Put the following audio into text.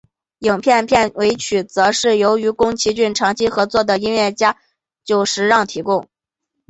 影片片尾曲则是与宫崎骏长期合作的音乐家久石让提供。